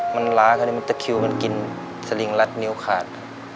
มันล้าก็เลยมันตะคิวกันกินสลิงรัดนิ้วขาด